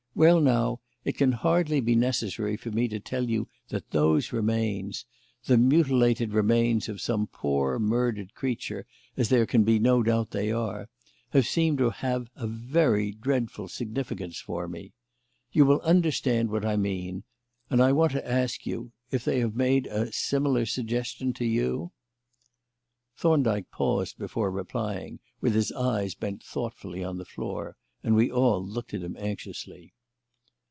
Well, now, it can hardly be necessary for me to tell you that those remains the mutilated remains of some poor murdered creature, as there can be no doubt they are have seemed to have a very dreadful significance for me. You will understand what I mean; and I want to ask you if if they have made a similar suggestion to you." Thorndyke paused before replying, with his eyes bent thoughtfully on the floor, and we all looked at him anxiously.